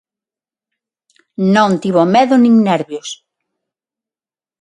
Non tivo medo nin nervios.